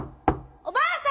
おばあさん